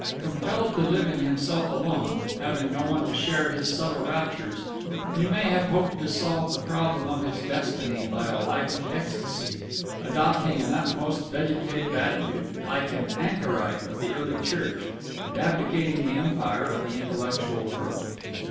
Compelled to live in himself alone, having no one to share his subtle raptures, he may have hoped to solve the problem of his destiny by a life of ecstasy, adopting an almost vegetative attitude, like an anchorite of the early Church, and abdicating the empire of the intellectual world.